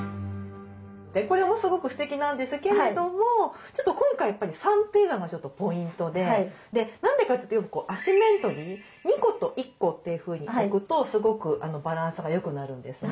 これもすごくステキなんですけれどもちょっと今回やっぱり３というのがちょっとポイントで何でかというとアシンメトリーで２個と１個というふうに置くとすごくバランスがよくなるんですね。